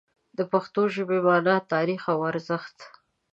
د پښتو ژبې مانا، تاریخ او ارزښت